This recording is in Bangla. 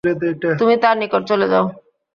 তুমি তার নিকট চলে যাও।